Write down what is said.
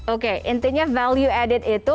oke intinya value added itu